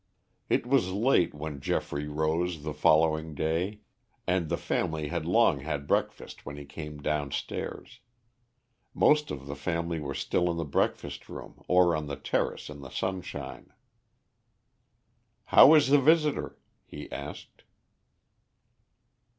It was late when Geoffrey rose the following day, and the family had long had breakfast when he came downstairs. Most of the family were still in the breakfast room or on the terrace in the sunshine. "How is the visitor?" he asked.